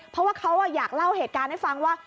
เพราะว่าเขาอยากเล่าเหตุการณ์ให้ฟังว่า